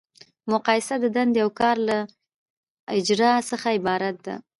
مقایسه د دندې او کار له اجرا څخه عبارت ده.